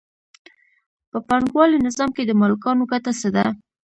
په پانګوالي نظام کې د مالکانو ګټه څه ده